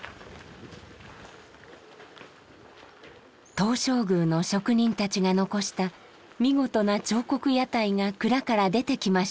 東照宮の職人たちが残した見事な彫刻屋台が蔵から出てきました。